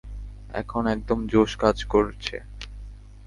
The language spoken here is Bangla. এখন একদম জোশ কাজ করছে!